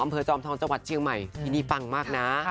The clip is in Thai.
จอมทองจังหวัดเชียงใหม่ที่นี่ปังมากนะ